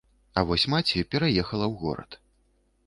А вось маці пераехала ў горад.